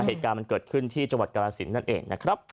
เหตุการณ์มันเกิดขึ้นที่จังหวัดกรสินนั่นเองนะครับ